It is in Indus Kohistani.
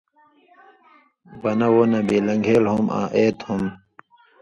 بنہ (وو نبی) لن٘گھېل ہُم آں اېت ہُم۔